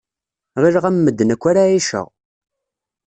Ɣilleɣ am medden akk ara ɛiceɣ.